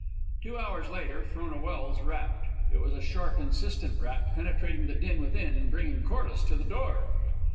Two hours later, Frona Welse rapped. It was a sharp, insistent rap, penetrating the din within and bringing Corliss to the door.